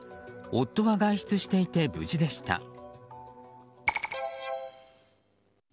夫は外出していた無事でした。